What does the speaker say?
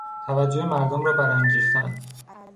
توجه مردم را برانگیختن